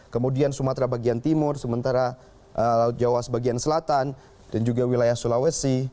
kemudian sumatera bagian timur sementara laut jawa sebagian selatan dan juga wilayah sulawesi